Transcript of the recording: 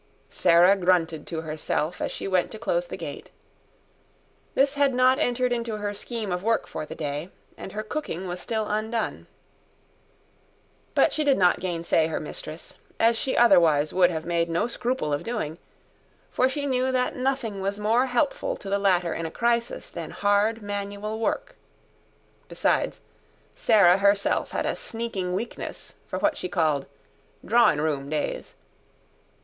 Sarah grunted to herself as she went to close the gate. This had not entered into her scheme of work for the day, and her cooking was still undone. But she did not gainsay her mistress, as she otherwise would have made no scruple of doing; for she knew that nothing was more helpful to the latter in a crisis than hard, manual work. Besides, Sarah herself had a sneaking weakness for what she called "dra'in' room days".